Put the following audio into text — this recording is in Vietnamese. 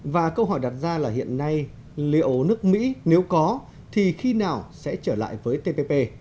và câu hỏi đặt ra là hiện nay liệu nước mỹ nếu có thì khi nào sẽ trở lại với tpp